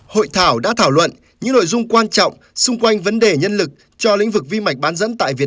hội thảo đã thảo luận những nội dung quan trọng xung quanh vấn đề nhân lực cho lĩnh vực vi mạch bán dẫn trong và ngoài nước